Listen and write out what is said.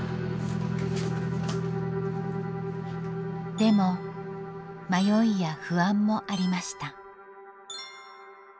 でも迷いや不安もありました。